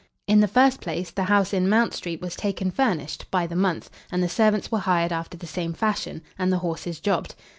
In the first place, the house in Mount Street was taken furnished, by the month, and the servants were hired after the same fashion, and the horses jobbed.